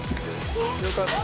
よかった。